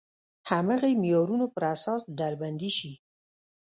هماغه معیارونو پر اساس ډلبندي شي.